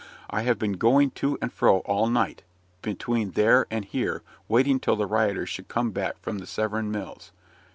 I have been going to and fro all night, between there and here, waiting till the rioters should come back from the Severn mills.